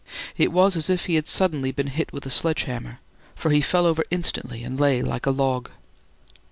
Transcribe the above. It was as if he had suddenly been hit with a sledgehammer, for he fell over instantly and lay like a log.